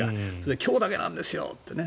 今日だけなんですよってね。